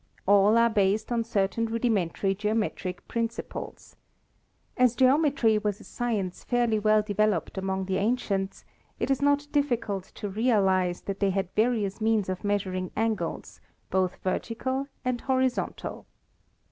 All are based on certain rudimentary geometric principles. As geometry was a science fairly well developed among the ancients, it is not difficult to realize that they had vari ous means of measuring angles, both vertical and horizon tal.